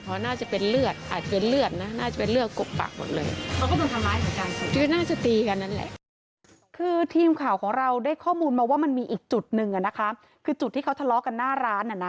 คือทีมข่าวของเราได้ข้อมูลมาว่ามันมีอีกจุดหนึ่งจุดที่เค้าทะเลาะกันหน้าร้าน